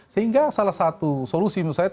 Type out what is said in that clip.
sehingga salah satu solusi misalnya